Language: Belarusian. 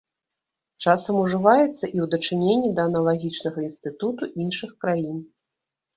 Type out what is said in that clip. Часам ўжываецца і ў дачыненні да аналагічнага інстытуту іншых краін.